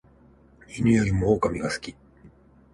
犬よりも狼が好き